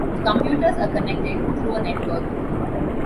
The computers are connected through a network.